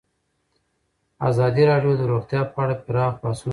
ازادي راډیو د روغتیا په اړه پراخ بحثونه جوړ کړي.